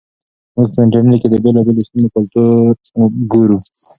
موږ په انټرنیټ کې د بېلابېلو سیمو کلتور ګورو.